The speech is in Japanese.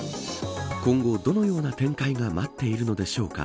今後、どのような展開が待っているのでしょうか。